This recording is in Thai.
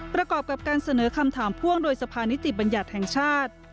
ประกอบกับการเสนอคำถามพ่วงโดยสภานิติบัญญัติแห่งชาติ